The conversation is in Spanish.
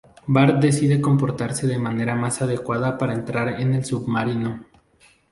Bart decide comportarse de manera más adecuada para entrar en el submarino.